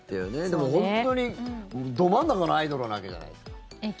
でも、本当にど真ん中のアイドルなわけじゃないですか。